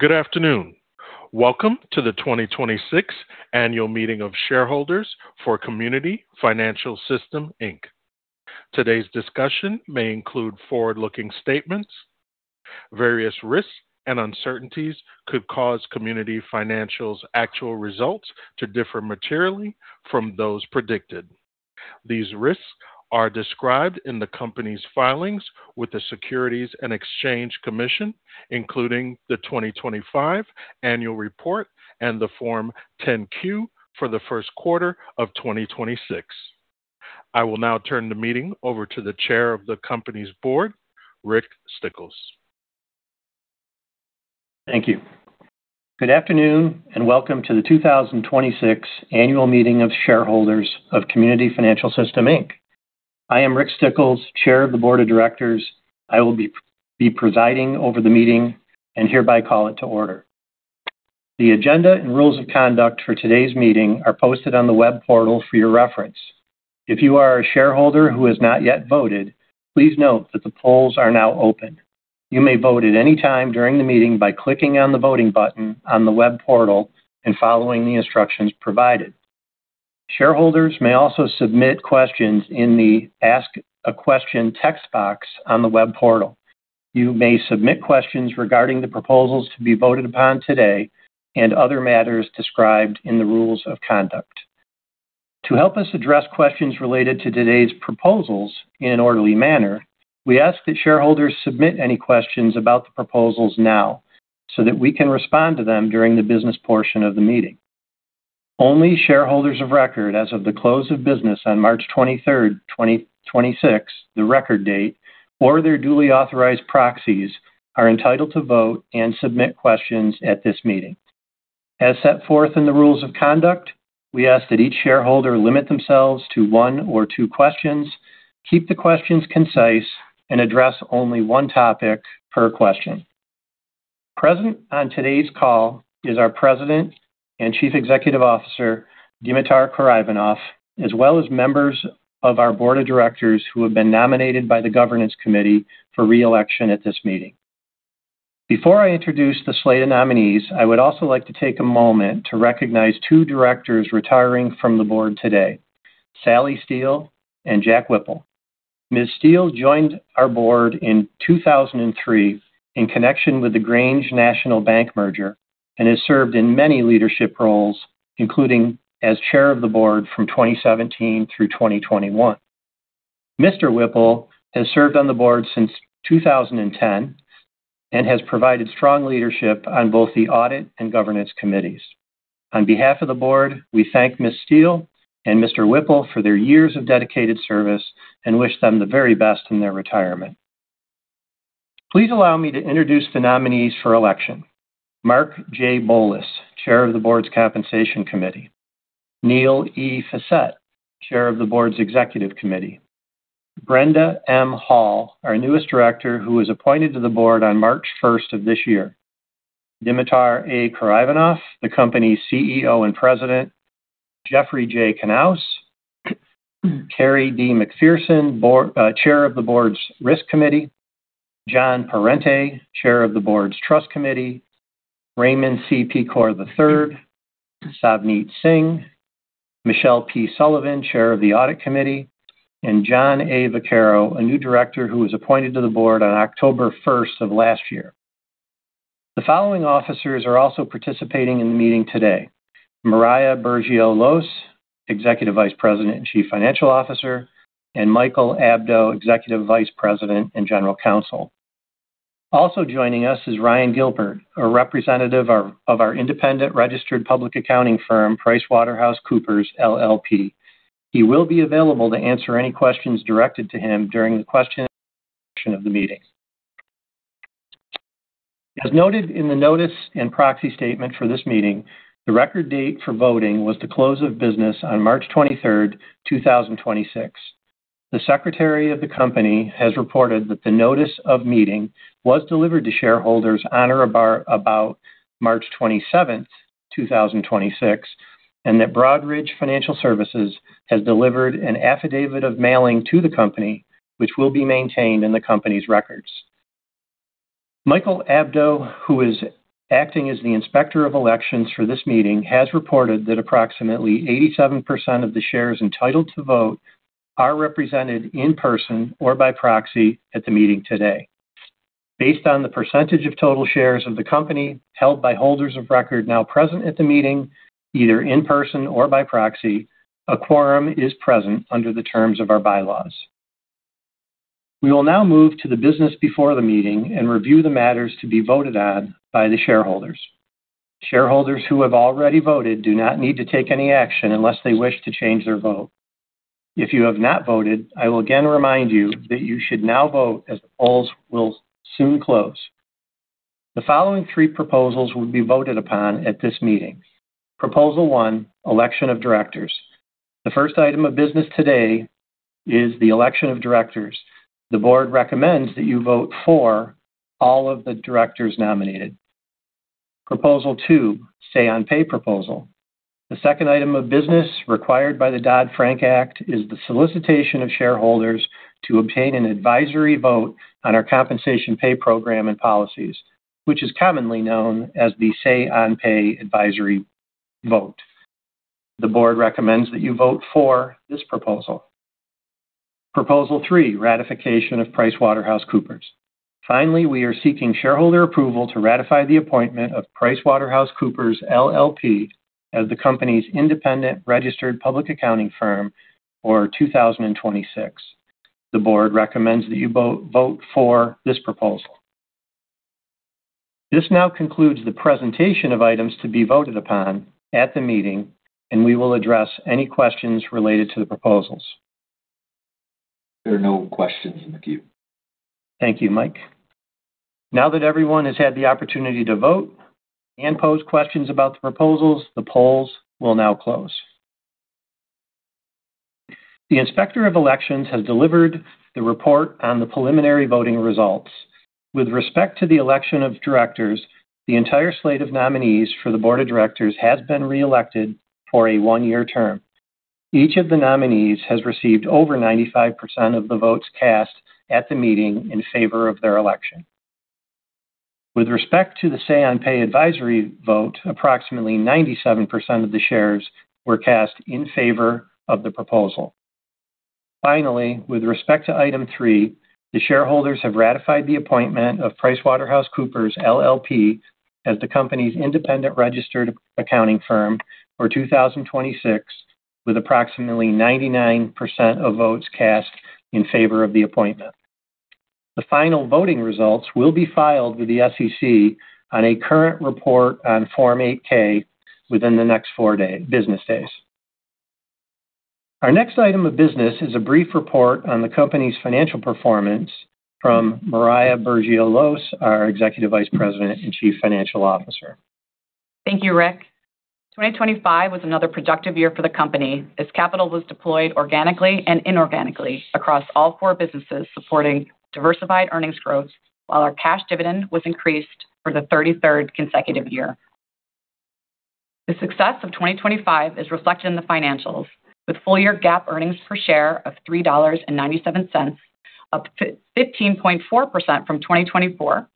Good afternoon. Welcome to the 2026 Annual Meeting of Shareholders for Community Financial System, Inc. Today's discussion may include forward-looking statements. Various risks and uncertainties could cause Community Financial's actual results to differ materially from those predicted. These risks are described in the company's filings with the Securities and Exchange Commission, including the 2025 annual report and the Form 10-Q for the first quarter of 2026. I will now turn the meeting over to the Chair of the Company's Board, Rick Stickels. Thank you. Good afternoon, and welcome to the 2026 Annual Meeting of Shareholders of Community Financial System, Inc. I am Rick Stickels, Chair of the Board of Directors. I will be presiding over the meeting and hereby call it to order. The agenda and rules of conduct for today's meeting are posted on the web portal for your reference. If you are a shareholder who has not yet voted, please note that the polls are now open. You may vote at any time during the meeting by clicking on the voting button on the web portal and following the instructions provided. Shareholders may also submit questions in the Ask a Question text box on the web portal. You may submit questions regarding the proposals to be voted upon today and other matters described in the rules of conduct. To help us address questions related to today's proposals in an orderly manner, we ask that shareholders submit any questions about the proposals now so that we can respond to them during the business portion of the meeting. Only shareholders of record as of the close of business on March 23, 2026, the record date, or their duly authorized proxies, are entitled to vote and submit questions at this meeting. As set forth in the rules of conduct, we ask that each shareholder limit themselves to one or two questions, keep the questions concise, and address only one topic per question. Present on today's call is our President and Chief Executive Officer, Dimitar Karaivanov, as well as members of our board of directors who have been nominated by the governance committee for re-election at this meeting. Before I introduce the slate of nominees, I would also like to take a moment to recognize two directors retiring from the board today, Sally Steele and John Whipple. Ms. Steele joined our board in 2003 in connection with the Grange National Bank merger and has served in many leadership roles, including as Chair of the Board from 2017 through 2021. Mr. Whipple has served on the board since 2010 and has provided strong leadership on both the Audit and Governance Committees. On behalf of the board, we thank Ms. Steele and Mr. Whipple for their years of dedicated service and wish them the very best in their retirement. Please allow me to introduce the nominees for election. Mark J. Bolus, Chair of the Board's Compensation Committee. Neil E. Fesette, Chair of the Board's Executive Committee. Brenda M. Hall, our newest director, who was appointed to the board on March 1st of this year. Dimitar A. Karaivanov, the company's CEO and president. Jeffrey J. Knauss. Kerrie D. MacPherson, chair of the board's risk committee. John Parente, chair of the board's trust committee. Raymond C. Pecor III. Savneet Singh. Michele Sullivan, chair of the audit committee, and John A. Vaccaro, a new director who was appointed to the board on October 1st of last year. The following officers are also participating in the meeting today. Marya Burgio Wlos, executive vice president and chief financial officer, and Michael Abdo, executive vice president and general counsel. Also joining us is Ryan Gilbert, a representative of our independent registered public accounting firm, PricewaterhouseCoopers, LLP. He will be available to answer any questions directed to him during the question of the meeting. As noted in the notice and proxy statement for this meeting, the record date for voting was the close of business on March 23rd, 2026. The secretary of the company has reported that the notice of meeting was delivered to shareholders on or about March 27th, 2026, and that Broadridge Financial Solutions has delivered an affidavit of mailing to the company, which will be maintained in the company's records. Michael N. Abdo, who is acting as the Inspector of Elections for this meeting, has reported that approximately 87% of the shares entitled to vote are represented in person or by proxy at the meeting today. Based on the percentage of total shares of the company held by holders of record now present at the meeting, either in person or by proxy, a quorum is present under the terms of our bylaws. We will now move to the business before the meeting and review the matters to be voted on by the shareholders. Shareholders who have already voted do not need to take any action unless they wish to change their vote. If you have not voted, I will again remind you that you should now vote as the polls will soon close. The following three proposals will be voted upon at this meeting. Proposal one, election of directors. The first item of business today is the election of directors. The board recommends that you vote for all of the directors nominated. Proposal two, Say-on-Pay proposal. The second item of business required by the Dodd-Frank Act is the solicitation of shareholders to obtain an advisory vote on our compensation pay program and policies, which is commonly known as the Say-on-Pay advisory vote. The board recommends that you vote for this proposal. Proposal three, ratification of PricewaterhouseCoopers. Finally, we are seeking shareholder approval to ratify the appointment of PricewaterhouseCoopers LLP as the company's independent registered public accounting firm for 2026. The board recommends that you vote for this proposal. This now concludes the presentation of items to be voted upon at the meeting, and we will address any questions related to the proposals. There are no questions in the queue. Thank you, Mike. Now that everyone has had the opportunity to vote and pose questions about the proposals, the polls will now close. The Inspector of Elections has delivered the report on the preliminary voting results. With respect to the election of directors, the entire slate of nominees for the board of directors has been reelected for a one-year term. Each of the nominees has received over 95% of the votes cast at the meeting in favor of their election. With respect to the Say-on-Pay advisory vote, approximately 97% of the shares were cast in favor of the proposal. Finally, with respect to item three, the shareholders have ratified the appointment of PricewaterhouseCoopers LLP as the company's independent registered accounting firm for 2026, with approximately 99% of votes cast in favor of the appointment. The final voting results will be filed with the SEC on a current report on Form 8-K within the next four business days. Our next item of business is a brief report on the company's financial performance from Marya Burgio Wlos, our Executive Vice President and Chief Financial Officer. Thank you, Rick. 2025 was another productive year for the company, as capital was deployed organically and inorganically across all four businesses supporting diversified earnings growth, while our cash dividend was increased for the 33rd consecutive year. The success of 2025 is reflected in the financials, with full-year GAAP earnings per share of $3.97, up 15.4% from 2024.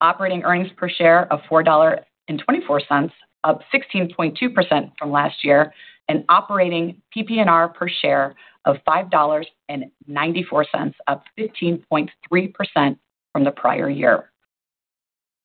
Operating earnings per share of $4.24, up 16.2% from last year, and operating PPNR per share of $5.94, up 15.3% from the prior year.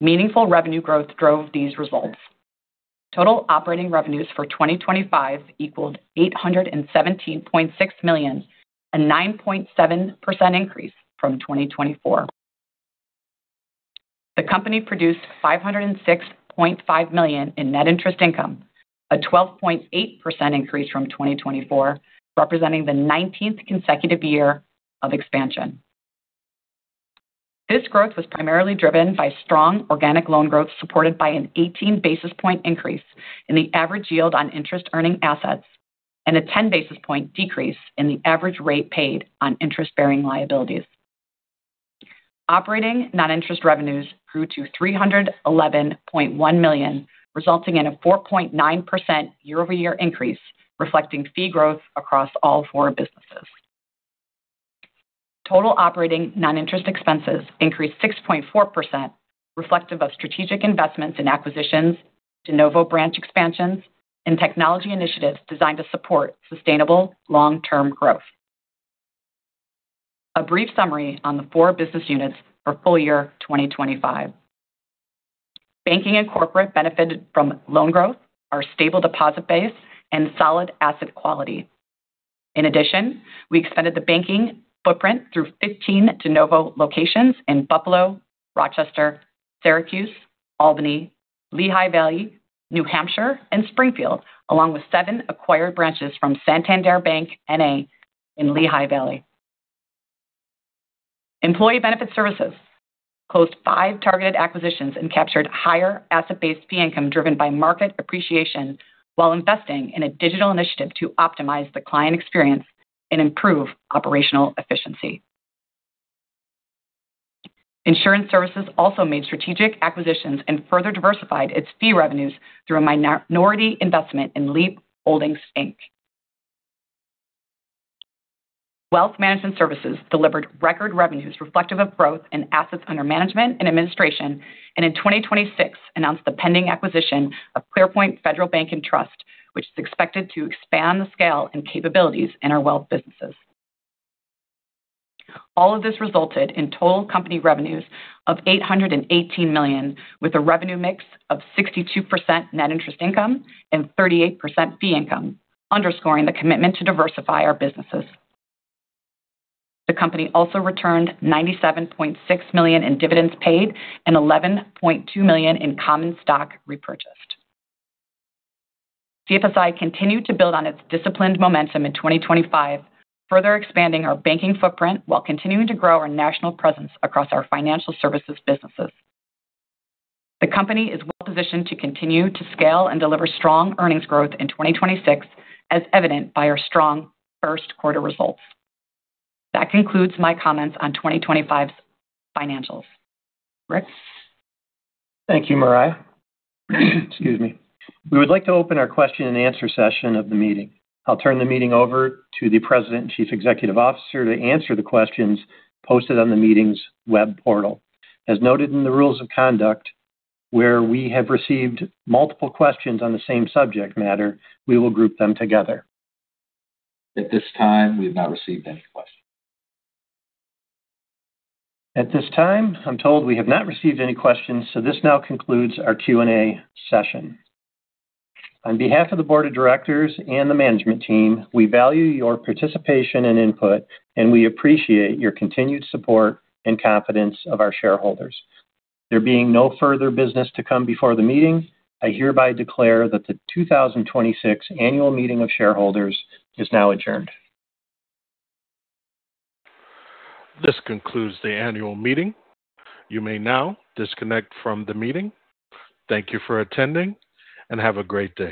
Meaningful revenue growth drove these results. Total operating revenues for 2025 equaled $817.6 million, a 9.7% increase from 2024. The company produced $506.5 million in net interest income, a 12.8% increase from 2024, representing the 19th consecutive year of expansion. This growth was primarily driven by strong organic loan growth, supported by an 18 basis point increase in the average yield on interest-earning assets and a 10 basis point decrease in the average rate paid on interest-bearing liabilities. Operating net interest revenues grew to $311.1 million, resulting in a 4.9% year-over-year increase, reflecting fee growth across all four businesses. Total operating net interest expenses increased 6.4%, reflective of strategic investments and acquisitions, de novo branch expansions, and technology initiatives designed to support sustainable long-term growth. A brief summary on the four business units for full year 2025. Banking and Corporate benefited from loan growth, our stable deposit base, and solid asset quality. In addition, we extended the banking footprint through 15 de novo locations in Buffalo, Rochester, Syracuse, Albany, Lehigh Valley, New Hampshire, and Springfield, along with seven acquired branches from Santander Bank, N.A. in Lehigh Valley. Employee Benefit Services closed five targeted acquisitions and captured higher asset-based fee income driven by market appreciation while investing in a digital initiative to optimize the client experience and improve operational efficiency. Insurance Services also made strategic acquisitions and further diversified its fee revenues through a minority investment in Leap Holdings, Inc. Wealth Management Services delivered record revenues reflective of growth in assets under management and administration, and in 2026 announced the pending acquisition of ClearPoint Federal Bank & Trust, which is expected to expand the scale and capabilities in our wealth businesses. All of this resulted in total company revenues of $818 million, with a revenue mix of 62% net interest income and 38% fee income, underscoring the commitment to diversify our businesses. The company also returned $97.6 million in dividends paid and $11.2 million in common stock repurchased. CFSI continued to build on its disciplined momentum in 2025, further expanding our banking footprint while continuing to grow our national presence across our financial services businesses. The company is well-positioned to continue to scale and deliver strong earnings growth in 2026, as evident by our strong first quarter results. That concludes my comments on 2025's financials. Rick? Thank you, Marya. Excuse me. We would like to open our question and answer session of the meeting. I'll turn the meeting over to the President and Chief Executive Officer to answer the questions posted on the meeting's web portal. As noted in the rules of conduct, where we have received multiple questions on the same subject matter, we will group them together. At this time, we've not received any questions. At this time, I'm told we have not received any questions, so this now concludes our Q&A session. On behalf of the board of directors and the management team, we value your participation and input, and we appreciate your continued support and confidence of our shareholders. There being no further business to come before the meeting, I hereby declare that the 2026 Annual Meeting of Shareholders is now adjourned. This concludes the annual meeting. You may now disconnect from the meeting. Thank you for attending, and have a great day.